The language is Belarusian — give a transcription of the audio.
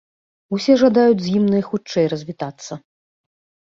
Усе жадаюць з ім найхутчэй развітацца.